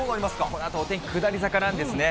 このあとお天気下り坂なんですね。